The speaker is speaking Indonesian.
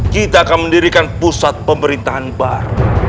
kita akan mendirikan pusat pemerintahan baru